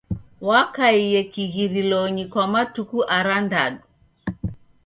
Wakaie kighirilonyi kwa matuku arandadu.